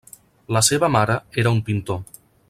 La seva mare era un pintor.